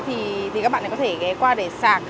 thì các bạn có thể ghé qua để sạc